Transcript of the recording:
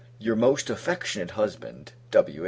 Your most affectionate husband, W.